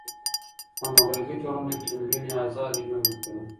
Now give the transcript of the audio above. په مغربي ټولنو کې نجونې آزادې لوبې کوي.